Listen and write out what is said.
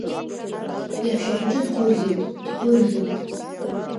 Иаҳәшьа хәыҷы дгәырӷьоит, дгәырӷьоит.